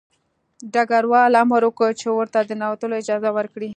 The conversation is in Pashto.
ډګروال امر وکړ چې ورته د ننوتلو اجازه ورکړي